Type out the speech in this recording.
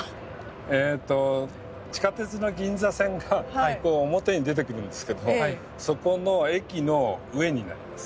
えっと地下鉄の銀座線がこう表に出てくるんですけどそこの駅の上になります。